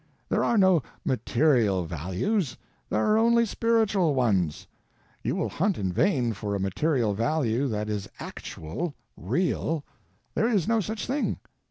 There are no _material _values; there are only spiritual ones. You will hunt in vain for a material value that is _actual, real—_there is no such thing.